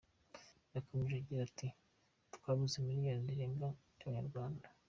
Yakomeje agira ati ”Twabuze miliyoni irenga y’Abanyarwanda.